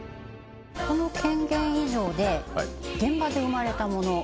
この権限委譲で現場で生まれたもの